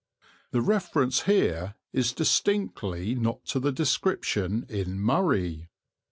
The reference here is distinctly not to the description in "Murray."